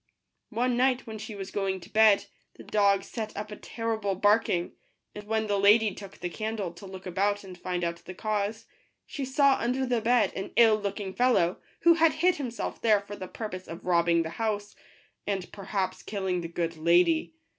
One night, when she was going to bed, the dog set up a terrible barking ; and when the lady took the candle to look about and find out the cause, she saw under the bed an ill looking fellow, who had hid himself there for the purpose of robbing the house, and per haps killing the good lady.